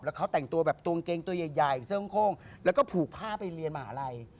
เขาแต่งตัวแบบตัวกางเกงตัวใหญ่เสื้อโค้งแล้วก็ผูกผ้าไปเรียนมหาลัย